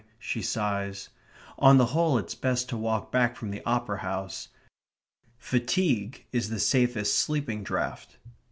she sighs. On the whole it's best to walk back from the Opera House. Fatigue is the safest sleeping draught.